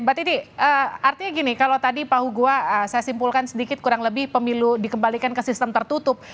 mbak titi artinya gini kalau tadi pak hugua saya simpulkan sedikit kurang lebih pemilu dikembalikan ke sistem tertutup